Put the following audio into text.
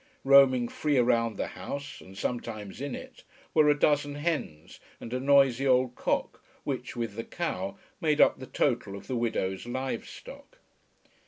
Roaming free around the house, and sometimes in it, were a dozen hens and a noisy old cock which, with the cow, made up the total of the widow's live stock.